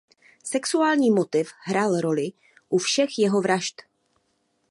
Sexuální motiv hrál roli u všech jeho vražd.